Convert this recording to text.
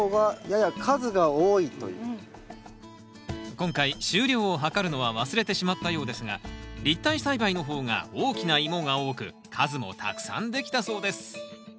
今回収量を量るのは忘れてしまったようですが立体栽培の方が大きなイモが多く数もたくさんできたそうです